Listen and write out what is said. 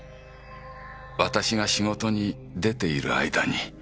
私が仕事に出ている間に。